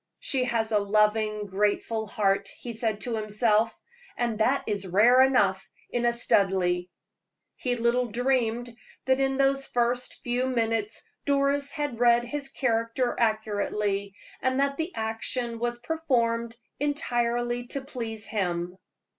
"She has a loving, grateful heart," he said to himself, "and that is rare enough in a Studleigh." He little dreamed that in those few minutes Doris had read his character accurately, and that the action was performed entirely to please him.